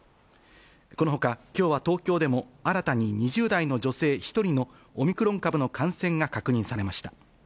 このほか、きょうは東京でも新たに２０代の女性１人のオミクロン株の感染が確認されました。